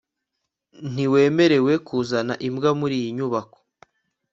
ntiwemerewe kuzana imbwa muriyi nyubako